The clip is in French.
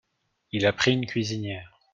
Il a pris une cuisinière.